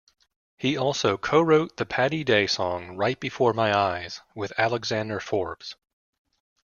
He also co-wrote the Patti Day song "Right Before My Eyes" with Alexander Forbes.